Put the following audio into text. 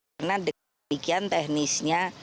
karena demikian teknisnya